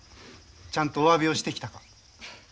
ちゃんとおわびをしてきたか？